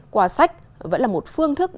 quà sách vẫn là một phương thức